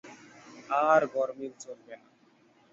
আর গরমিল চলিবে না।